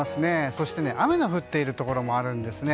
そして雨が降っているところもあるんですね。